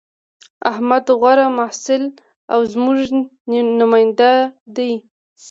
احمد غوره محصل او زموږ نماینده دی